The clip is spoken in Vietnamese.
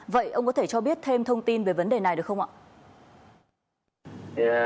vậy ông có thể cho biết thêm thông tin về vấn đề này được không ạ